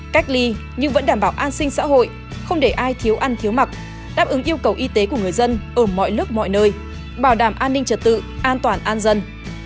cách ly nhưng vẫn đảm bảo an sinh xã hội không để ai thiếu ăn thiếu mặc đáp ứng yêu cầu y tế của người dân ở mọi lúc mọi nơi bảo đảm an ninh trật tự an toàn an dân